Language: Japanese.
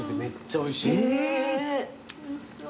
おいしそう。